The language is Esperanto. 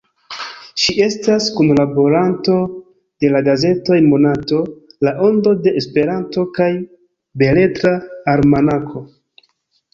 Ŝi estas kunlaboranto de la gazetoj Monato, La Ondo de Esperanto kaj Beletra Almanako.